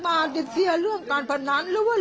มันมีแม่ด้วยมันมีแม่ด้วย